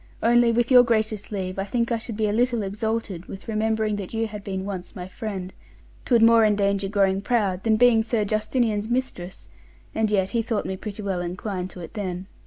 Only with your gracious leave, I think I should be a little exalted with remembering that you had been once my friend; 'twould more endanger growing proud than being Sir Justinian's mistress, and yet he thought me pretty well inclin'd to't then.